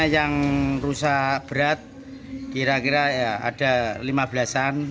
yang rusak berat kira kira ya ada lima belas an